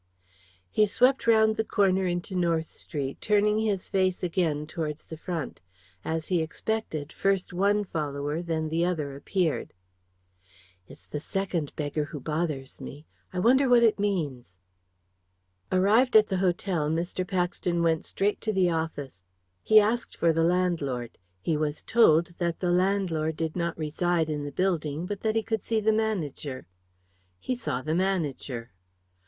He swept round the corner into North Street, turning his face again towards the front. As he expected, first one follower, then the other, appeared. "It's the second beggar who bothers me. I wonder what it means?" Arrived at the hotel, Mr. Paxton went straight to the office. He asked for the landlord. He was told that the landlord did not reside in the building, but that he could see the manager. He saw the manager.